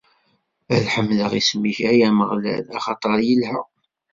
Ad ḥemdeɣ isem-ik, ay Ameɣlal, axaṭer ilha.